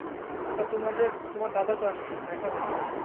তা, তোমার দাদা তো আসছেন, দেখা হবে।